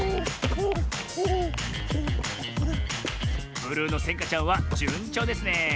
ブルーのせんかちゃんはじゅんちょうですね！